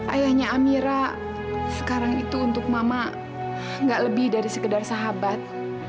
ayahnya amira sekarang itu untuk mama gak lebih dari sekedar sahabat